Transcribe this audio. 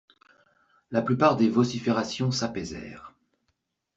La plupart des vociférations s'apaisèrent.